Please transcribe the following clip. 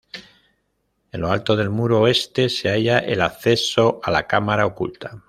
En lo alto del muro oeste se halla el acceso a la Cámara Oculta.